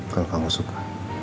kalau kamu suka